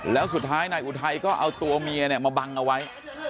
แล้วสุดท้ายนายอุทัยก็เอาตัวเมียเนี่ยมาบังเอาไว้